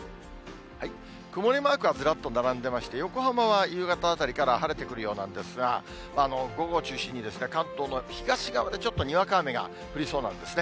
曇りマークがずらっと並んでまして、横浜は夕方あたりから晴れてくるようなんですが、午後を中心に、関東の東側でちょっとにわか雨が降りそうなんですね。